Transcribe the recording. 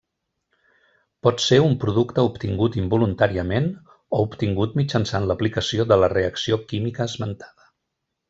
Pot ser un producte obtingut involuntàriament o obtingut mitjançant l'aplicació de la reacció química esmentada.